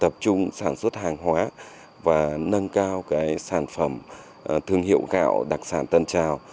tập trung sản xuất hàng hóa và nâng cao sản phẩm thương hiệu gạo đặc sản tân trào